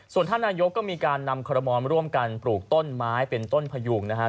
ส่วนท่านนายกก็มีการนำคอรมอลร่วมกันปลูกต้นไม้เป็นต้นพยุงนะฮะ